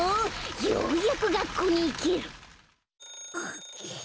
ようやくがっこうにいける！